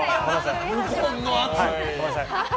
無言の圧。